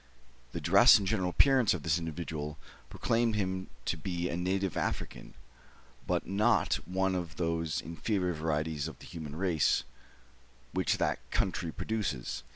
The dress and general appearance of this individual proclaimed him to be a native African, but not one of those inferior varieties of the human race which that country produces.